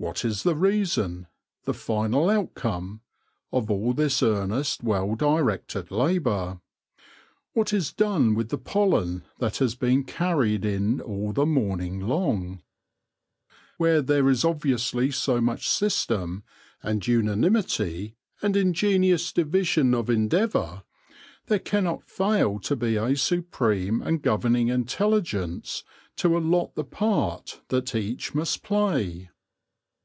What is the reason, the final outcome, of all this earnest, well directed labour ? What is done with the pollen that has been carried in all the morning long ? Where there is obviously so much system, and unanimity, and ingenious division of endeavour, there cannot fail to be a supreme and governing intelligence to allot the part that each must play.